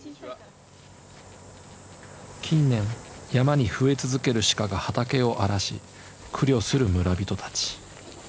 近年山に増え続ける鹿が畑を荒らし苦慮する村人たち。